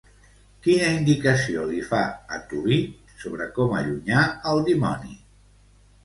Quina indicació li fa a Tobit sobre com allunyar el dimoni?